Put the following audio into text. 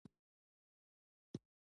استبداد د استبداد د نقش په مانا پېژني.